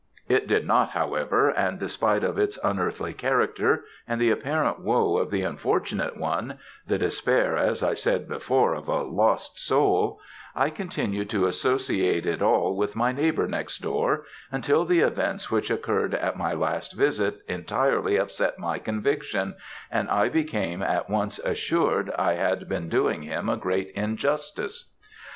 It did not, however, and despite of its unearthly character, and the apparent woe of the unfortunate one the despair, as I said before, of a lost soul I continued to associate it all with my neighbour next door, until the events which occurred at my last visit entirely upset my conviction, and I became at once assured I had been doing him a great injustice.